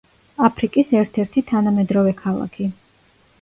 აფრიკის ერთ-ერთი თანამედროვე ქალაქი.